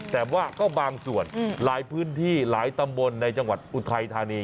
แต่ว่าก็บางส่วนหลายพื้นที่หลายตำบลในจังหวัดอุทัยธานี